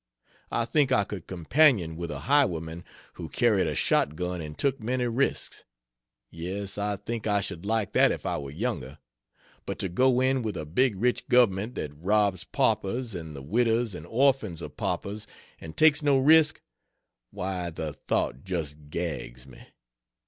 I think I could companion with a highwayman who carried a shot gun and took many risks; yes, I think I should like that if I were younger; but to go in with a big rich government that robs paupers, and the widows and orphans of paupers and takes no risk why the thought just gags me.